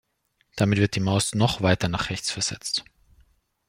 Damit wird die Maus noch weiter nach rechts versetzt.